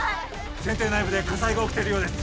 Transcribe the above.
船底内部で火災が起きているようです